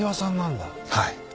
はい。